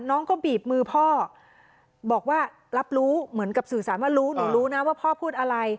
น้องก็บีบมือพ่อบอกว่ารับรู้เหมือนกับสื่อสารว่ารู้หนูรู้นะว่าพ่อพูดอะไร